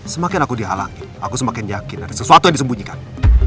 semakin aku dihalangi aku semakin yakin ada sesuatu yang disembunyikan